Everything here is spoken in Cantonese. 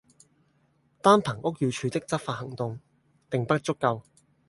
單憑屋宇署的執法行動並不足夠